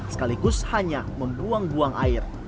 sekaligus hanya membuang buang air